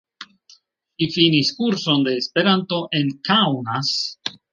Ŝi finis kurson de Esperanto en Kaunas.